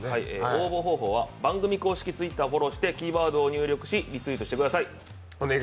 応募方法は番組公式Ｔｗｉｔｔｅｒをフォローしてキーワードを入力しリツイートしてください。